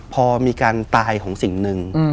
พอมีการตายของสิ่งหนึ่ง